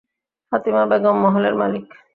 ফাতিমা বেগম, মহলের মালিক।